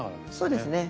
そうですね。